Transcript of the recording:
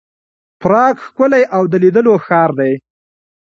پراګ ښکلی او د لیدلو ښار دی.